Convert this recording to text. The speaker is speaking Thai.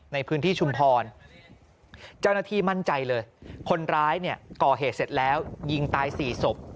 ในพื้นที่ชุมพรเจ้าหน้าที่มั่นใจเลยคนร้ายเนี่ยก่อเหตุเสร็จแล้วยิงตาย๔ศพ